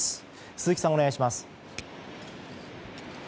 鈴木さん、お願いします。